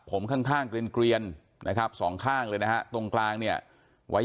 ผมข้างเกลียนนะครับสองข้างเลยนะฮะตรงกลางเนี่ยไว้